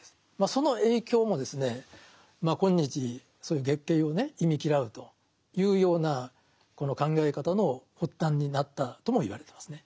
その影響もまあ今日そういう月経をね忌み嫌うというようなこの考え方の発端になったともいわれてますね。